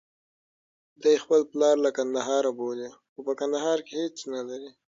دی خپل پلار له کندهار بولي، خو په کندهار کې هېڅ نلري.